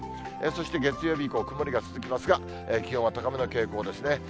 そして月曜日以降、曇りが続きますが、気温は高めの傾向ですね。